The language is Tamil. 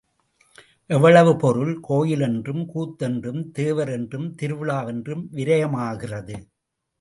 எவ்வளவு பொருள், கோயில் என்றும் கூத்து என்றும் தேவரென்றும், திருவிழா என்றும் விரயமாகிறது.